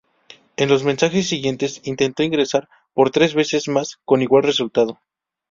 En los meses siguientes intentó ingresar por tres veces más con igual resultado.